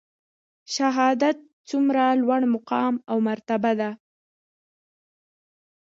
شهادت څومره لوړ مقام او مرتبه ده؟